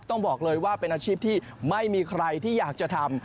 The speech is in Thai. ต้องบอกเลยว่าเป็นอาชีพที่ไม่มีใครที่อยากจะทำ